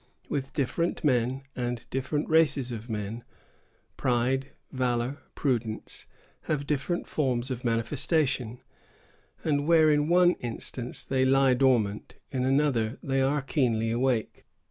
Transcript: With different men, and different races of men, pride, valor, prudence, have different forms of manifestation, and where in one instance they lie dormant, in another they are keenly awake.